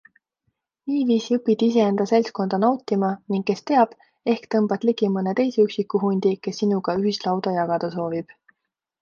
Niiviisi õpid iseenda seltskonda nautima ning kes teab, ehk tõmbad ligi mõne teise üksiku hundi, kes sinuga ühist lauda jagada soovib.